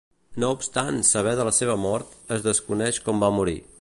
No obstant saber de la seva mort, es desconeix com va morir.